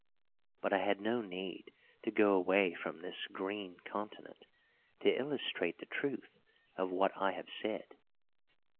But I had no need to go away from this Green Continent to illustrate the truth of what I have said.